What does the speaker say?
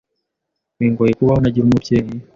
bingoye kubaho ntagira umubyeyi,